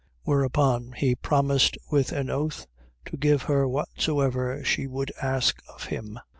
14:7. Whereupon he promised with an oath, to give her whatsoever she would ask of him.